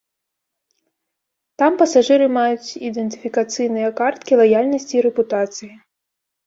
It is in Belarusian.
Там пасажыры маюць ідэнтыфікацыйныя карткі лаяльнасці і рэпутацыі.